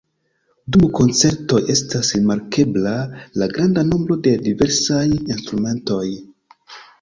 Dum koncertoj estas rimarkebla la granda nombro de diversaj instrumentoj.